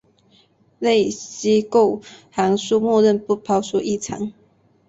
类析构函数默认不抛出异常。